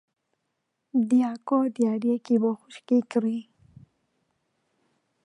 دیاکۆ دیارییەکی بۆ خوشکی کڕی.